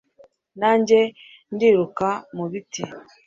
nanjye ndiruka mu biti